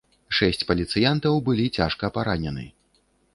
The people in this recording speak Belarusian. Шэсць паліцыянтаў былі цяжка паранены.